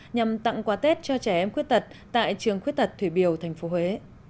nhằm tặng quà tết cho trẻ em khuyết tật tại trường khuyết tật thủy biều tp huế